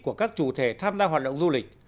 của các chủ thể tham gia hoạt động du lịch